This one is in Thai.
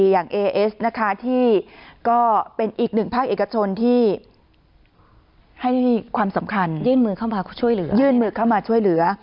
อยื้อนมือเข้ามาช่วยเหลือ